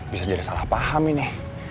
bisa jadi salah paham ini